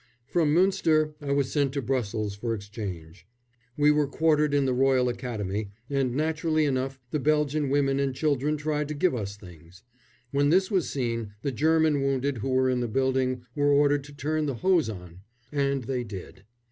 From Münster I was sent to Brussels for exchange. We were quartered in the Royal Academy, and naturally enough the Belgian women and children tried to give us things. When this was seen, the German wounded who were in the building were ordered to turn the hose on, and they did.